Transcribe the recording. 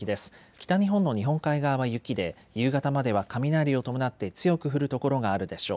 北日本の日本海側は雪で夕方までは雷を伴って強く降る所があるでしょう。